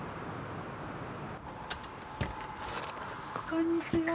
こんにちは。